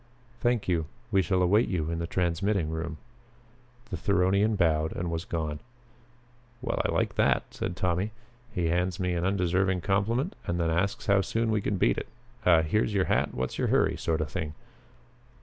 "Thank you. We shall await you in the transmitting room." The Theronian bowed and was gone. "Well, I like that," said Tommy. "He hands me an undeserved compliment and then asks how soon we can beat it. A 'here's your hat, what's your hurry' sort of thing."